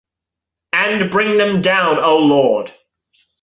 And bring them down O Lord.